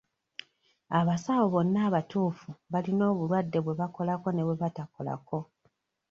Abasawo bonna abatuufu balina obulwadde bwe bakolako ne bwe batakolako.